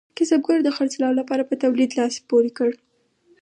کسبګرو د خرڅلاو لپاره په تولید لاس پورې کړ.